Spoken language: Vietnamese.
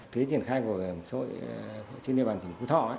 thế triển khai của bảo hiểm xã hội trên địa bàn thỉnh phú thỏ